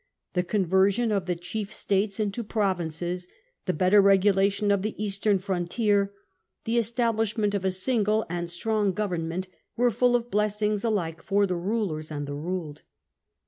The conversion of the chief states into provinces, the better regulation of the eastern frontier, the establishment of a single and a strong government, were full of blessings alike for the rulers and the ruled."